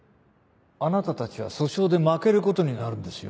あなたたちは訴訟で負けることになるんですよ？